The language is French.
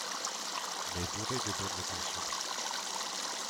Mais bourrée de bonnes intentions.